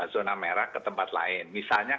zona merah ke tempat lain misalnya